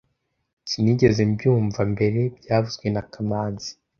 Sinigeze mbyumva mbere byavuzwe na kamanzi